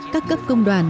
các cấp công đoàn